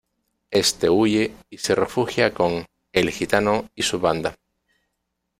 Este huye y se refugia con El Gitano y su banda.